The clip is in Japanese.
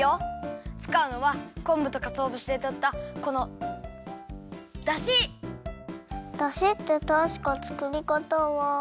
つかうのはこんぶとかつおぶしでとったこのだし！だしってたしか作り方は。